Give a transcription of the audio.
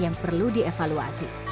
yang perlu dievaluasi